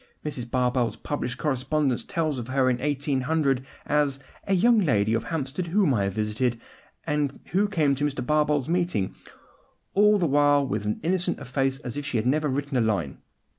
Mrs. Barbauld's published correspondence tells of her in 1800, as a 'young lady of Hampstead whom I visited, and who came to Mr. Barbauld's meeting, all the while with as innocent a face as if she had never written a line.